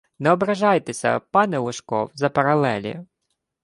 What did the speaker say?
Не ображайтеся, пане Лужков, за паралелі